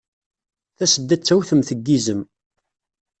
Tasedda d tawtemt n yizem.